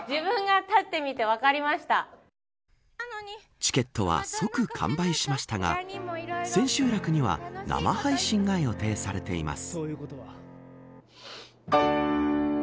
チケットは即完売しましたが千秋楽には生配信が予定されています。